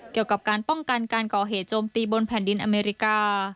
เกี่ยวกับการป้องกันการก่อเหตุโจมตีบนแผ่นดินอเมริกา